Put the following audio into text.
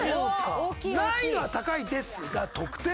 難易度は高いですが得点